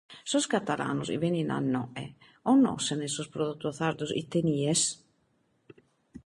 Is catalanos chi benint a inoghe connoschent is produtos sardos chi tenides?